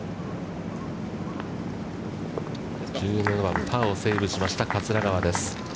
１７番パーをセーブしました桂川です。